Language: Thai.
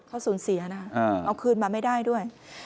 เขาสูญเสียนะคะเอาคืนมาไม่ได้ด้วย